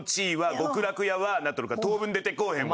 極楽やわなっとるから当分出てこうへんわ。